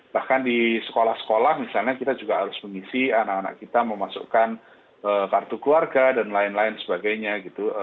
bahkan di sekolah sekolah misalnya kita juga harus mengisi anak anak kita memasukkan kartu keluarga dan lain lain sebagainya gitu